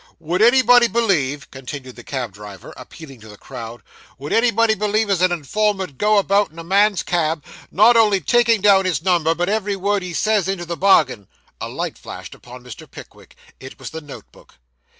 'Would anybody believe,' continued the cab driver, appealing to the crowd, 'would anybody believe as an informer'ud go about in a man's cab, not only takin' down his number, but ev'ry word he says into the bargain' (a light flashed upon Mr. Pickwick it was the note book).